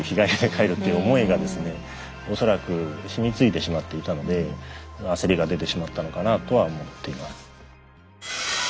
恐らくしみついてしまっていたので焦りが出てしまったのかなとは思っています。